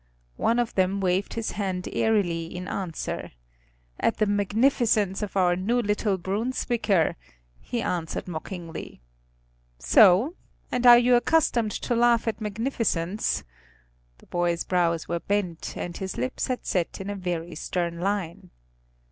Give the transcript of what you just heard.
One of them waved his hand airily in answer. "At the magnificence of our new little Brunswicker," he answered mockingly. "So? And are you accustomed to laugh at magnificence?" The boy's brows were bent and his lips had set in a very stern line.